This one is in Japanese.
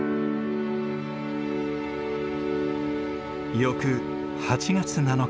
翌８月７日。